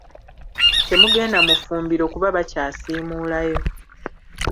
Temugenda mu ffumbiro kuba bakyasiimulayo.